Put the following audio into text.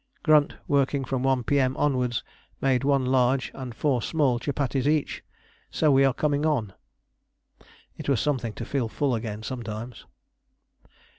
Grunt, working from 1 P.M. onwards, made 1 large and 4 small chupatties each, so we are coming on." It was something to feel full again sometimes.